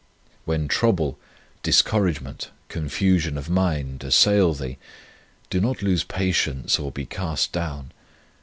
When trouble, discouragement, confusion of mind assail thee, do not lose patience or be cast down.